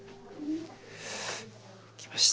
来ました。